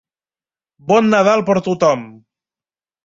Bon Nadal per tothom!